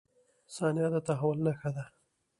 • ثانیه د تحول نښه ده.